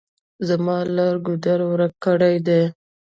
زما لار ګودر ورک کړي دي.